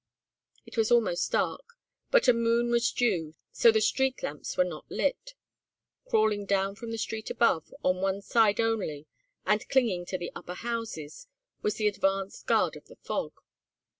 It was almost dark, but a moon was due, so the street lamps were not lit. Crawling down from the street above, on one side only, and clinging to the upper houses, was the advance guard of the fog.